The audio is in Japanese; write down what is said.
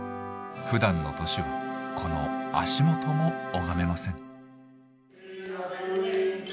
ふだんの年はこの足元も拝めません。